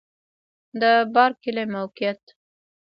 د بارک کلی موقعیت